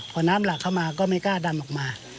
พอน้ำหลากเข้ามาก็ไม่กล้าดันออกมา